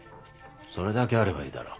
それだけあればいいだろう